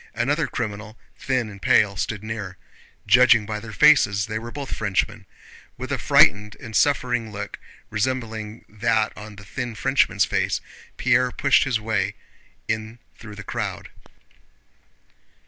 Another criminal, thin and pale, stood near. Judging by their faces they were both Frenchmen. With a frightened and suffering look resembling that on the thin Frenchman's face, Pierre pushed his way in through the crowd.